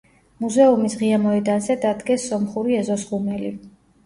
მუზეუმის ღია მოედანზე დადგეს სომხური ეზოს ღუმელი.